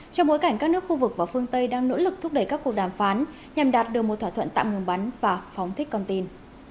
trong bối cảnh các nước khu vực và phương tây đang nỗ lực thúc đẩy các cuộc đàm phán nhằm đạt được một thỏa thuận tạm ngừng bắn và phóng thích con tin